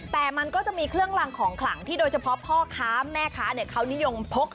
แต่มันก็จะมีเครื่องรังของขลังที่โดยเฉพาะพ่อค้าแม่ค้าเขานิยมพก